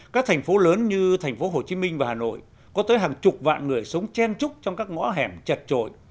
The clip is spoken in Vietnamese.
các thành phố lớn như thành phố hồ chí minh và hà nội có tới hàng chục vạn người sống chen trúc trong các ngõ hẻm chật trội